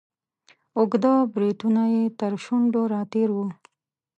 اوږده بریتونه یې تر شونډو را تیر وه.